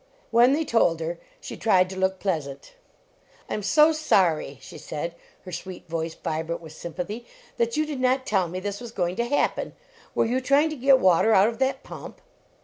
When they told her she tried to look p! ant. " I am so sorry," she said, her sweet voice vibrant with sympathy, "that you did not tell me this was going to happen. \Yerevou trying to get water out of that pump?"